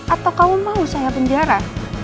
atau kamu mau saya penjara